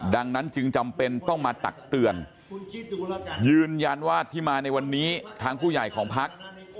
ดังนั้นจึงจำเป็นต้องมาตักเตือนยืนยันว่าที่มาในวันนี้ทางผู้ใหญ่ของพัก